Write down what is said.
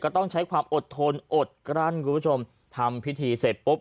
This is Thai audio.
ต้องใช้ความอดทนอดกลั้นคุณผู้ชมทำพิธีเสร็จปุ๊บ